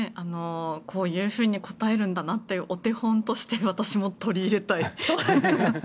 こういうふうに答えるんだなというお手本として私も取り入れたい。